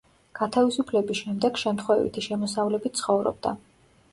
გათავისუფლების შემდეგ შემთხვევითი შემოსავლებით ცხოვრობდა.